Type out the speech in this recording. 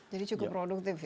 jadi cukup produktif ya